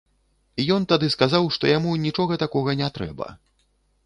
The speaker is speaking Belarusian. Ён тады сказаў, што яму нічога такога не трэба.